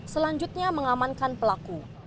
selanjutnya mengamankan pelaku